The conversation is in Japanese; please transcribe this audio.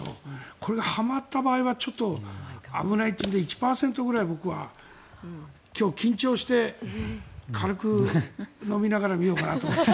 これがはまった場合はちょっと危ないというので１％ぐらい僕は今日、緊張して軽く飲みながら見ようかなと思って。